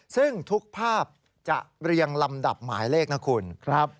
ซึ่งทุกภาพจะเรียงลำดับหมายเลขนะคุณ